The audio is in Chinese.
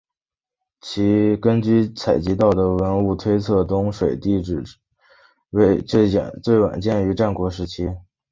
根据采集到的文物推测东水地城址最晚建于战国时期。